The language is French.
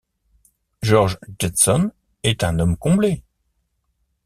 George Jetson est un homme comblé.